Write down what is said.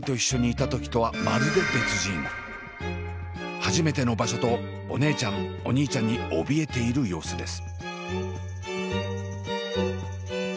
初めての場所とお姉ちゃんお兄ちゃんにおびえている様子です。